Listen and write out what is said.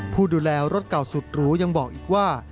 ผู้ดูแลรถเก่าสุดหรูยังบอกอีกว่า